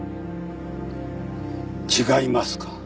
違いますか？